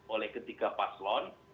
oleh ketiga paslon